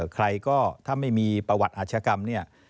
ใครก็ถ้าไม่มีประวัติอาชกรรมเนี่ย